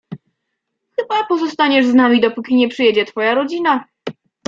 Chyba pozostaniesz z nami, dopóki nie przyjedzie twoja rodzina.